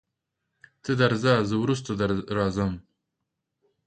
ته درځه زه وروسته راځم.